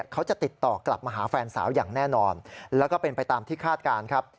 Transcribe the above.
เขาจะติดต่อกลับมาหาแฟนสาวอย่างแน่นอนแล้วก็เป็นไปตามที่คาดการณ์ครับ